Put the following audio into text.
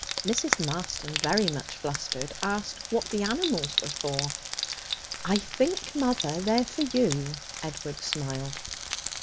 Mrs. Marston, very much flustered, asked what the animals were for. 'I think, mother, they're for you.' Edward smiled.